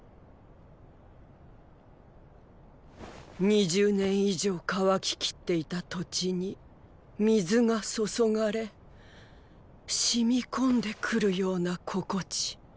二十年以上渇ききっていた土地に水が注がれ染み込んでくるような心地。